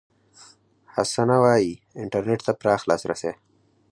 حسنه وايي، انټرنېټ ته پراخ لاسرسي